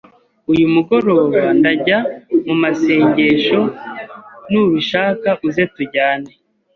uyu mugoroba ndajya mu masengesho, nubishaka uze tujyane.